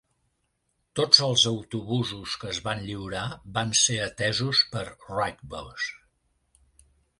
Tots els autobusos que es van lliurar van ser atesos per Wrightbus.